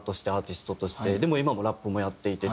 でも今もラップもやっていてっていう。